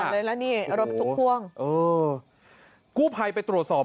เลยแล้วนี่รถบรรทุกพ่วงเออกู้ภัยไปตรวจสอบ